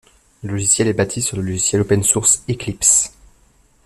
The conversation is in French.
Le logiciel est bâti sur le logiciel open-source Eclipse.